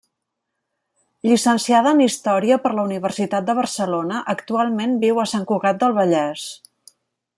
Llicenciada en Història per la Universitat de Barcelona, actualment viu a Sant Cugat del Vallès.